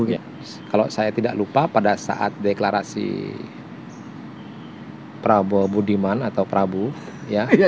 kalau saya tidak lupa pada saat deklarasi prabowo budiman atau prabu ya